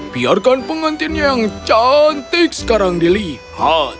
biarkan pengantinnya yang cantik sekarang dilihat